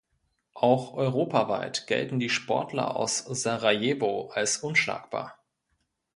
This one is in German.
Auch europaweit gelten die Sportler aus Sarajevo als unschlagbar.